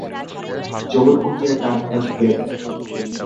জোর করিয়া টানিয়া লইয়া গেল।